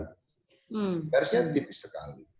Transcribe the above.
garisnya tipis sekali